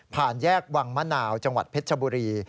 แยกวังมะนาวจังหวัดเพชรชบุรี